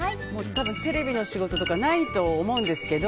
多分、テレビの仕事とかないと思うんですけど